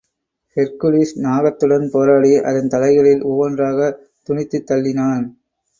Hercules நாகத்துடன் போராடி, அதன் தலைகளில் ஒவ்வொன்றாகத் துணித்துத் தள்ளினான்.